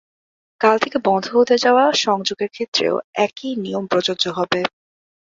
কাল থেকে বন্ধ হতে যাওয়া সংযোগের ক্ষেত্রেও একই নিয়ম প্রযোজ্য হবে।